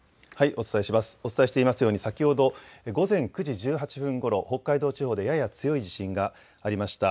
お伝えしていますように先ほど午前９時１８分ごろ北海道地方でやや強い地震がありました。